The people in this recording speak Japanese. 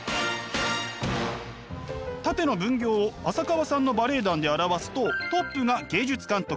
縦の分業を浅川さんのバレエ団で表すとトップが芸術監督